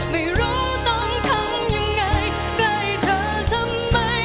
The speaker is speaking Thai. ไม่รู้ต้องทำยังไงใกล้เธอทำไม